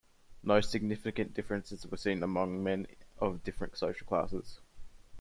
No significant differences were seen among men of different social classes.